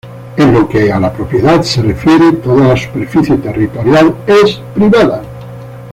En lo que a la propiedad se refiere, toda la superficie territorial es privada.